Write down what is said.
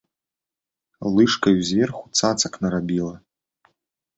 Лыжкаю зверху цацак нарабіла.